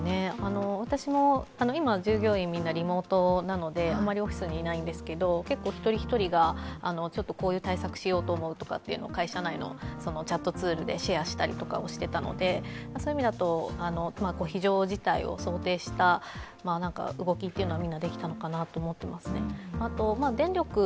私も今、従業員みんなリモートなのであまりオフィスにいないんですけれども、一人一人がこういう対策しようと思うとか会社内のチャットツールでシェアしたりとかしていたのでそういう意味だと、非常事態を想定した動きっていうのはみんなできたのかなと思っていますね。